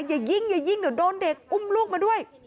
อย่ายิงอย่ายิงเดี๋ยวโดนเด็กอุ้มลูกมาด้วย